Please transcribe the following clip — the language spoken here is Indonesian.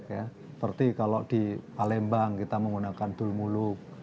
ya seperti kalau di alembang kita menggunakan dulmuluk